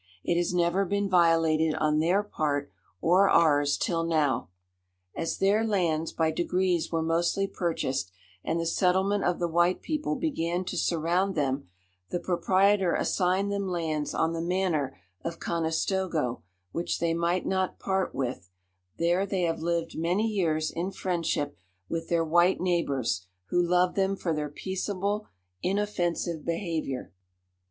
It has never been violated on their part, or ours, till now. As their lands by degrees were mostly purchased, and the settlement of the white people began to surround them, the proprietor assigned them lands on the manor of Conestogoe, which they might not part with; there they have lived many years in friendship with their white neighbours, who loved them for their peaceable inoffensive behaviour.